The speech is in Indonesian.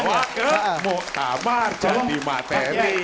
bawa ke muktamar jadi materi